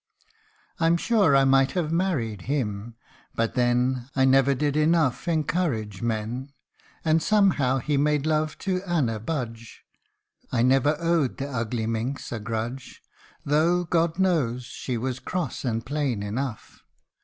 I'm sure I might have married Aim, but then I never did enough encourage men : And somehow he made love to Anna Budge ; I never owed the ugly minx a grudge, Though, God knows, she was cross and plain enough.